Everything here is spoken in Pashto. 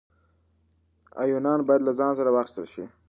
ایوانان باید له ځان سره واخیستل شي.